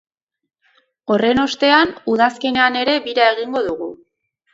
Horren ostean, udazkenean ere bira egingo dugu.